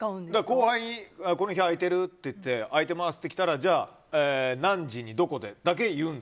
後輩にこの日空いてる？って言って空いてますって来たらじゃあ、何時にどこでだけ言う。